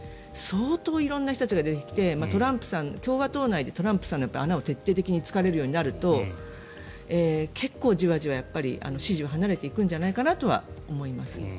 相当色んな人たちが出てきて共和党内でトランプさんの穴を突かれるようになると結構、じわじわ支持は離れていくのではと思います。